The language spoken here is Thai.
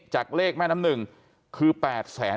ความปลอดภัยของนายอภิรักษ์และครอบครัวด้วยซ้ำ